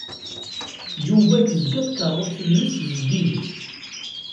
Yuba tezga tkeṛṛust-nnes zeddiget.